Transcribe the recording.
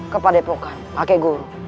kepadepokan kakek guru